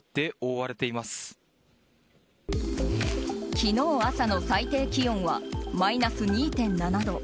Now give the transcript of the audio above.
昨日朝の最低気温はマイナス２．７度。